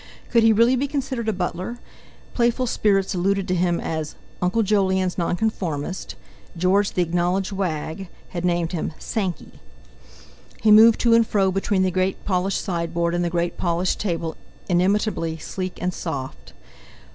Could he really be considered a butler? Playful spirits alluded to him as: "Uncle Jolyon's Nonconformist". George, the acknowledged wag, had named him: "Sankey." He moved to and fro between the great polished sideboard and the great polished table inimitably sleek and soft.